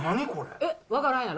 えっ、分からんやろ？